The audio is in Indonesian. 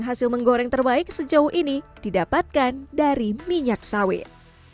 hasil menggoreng terbaik sejauh ini didapatkan dari minyak sawit